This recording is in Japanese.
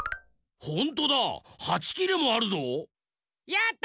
やった！